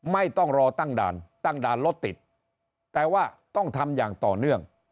ไม่ต้องรอตั้งด่านตั้งด่านรถติดแต่ว่าต้องทำอย่างต่อเนื่อง